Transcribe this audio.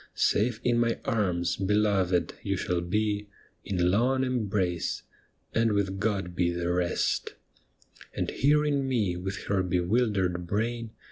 '" Safe in my arms, beloved, you shall be In long embrace, " and with God he the rest" ' And hearing me with her bewildered brain.